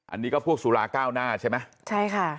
อันนี้ก็พวกสุราเก้าหน้าใช่ไหมใช่ค่ะ